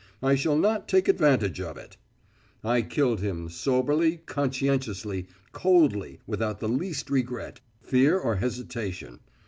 I shall not take advantage of it. I killed him soberly, conscientiously, coldly, without the least regret, fear or hesitation.